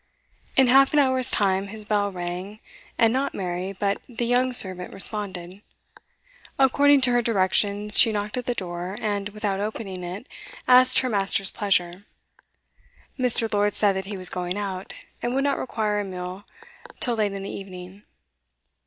In half an hour's time his bell rang, and not Mary, but the young servant responded. According to her directions, she knocked at the door, and, without opening it, asked her master's pleasure. Mr. Lord said that he was going out, and would not require a meal till late in the evening.